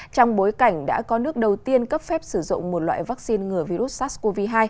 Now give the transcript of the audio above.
trong bối cảnh đã có nước đầu tiên cấp phép sử dụng một loại vaccine ngừa virus sars cov hai